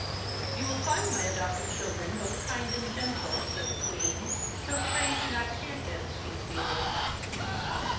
"You will find my adopted children both kind and gentle," said the Queen; "so pray do not fear them, King Felis."